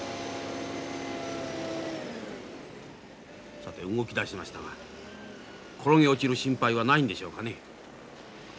さて動き出しましたが転げ落ちる心配はないんでしょうかね。